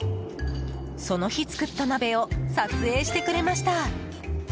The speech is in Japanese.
その日作った鍋を撮影してくれました。